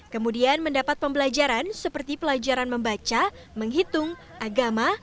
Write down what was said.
kemudian mendapat pembelajaran seperti pelajaran membaca menghitung agama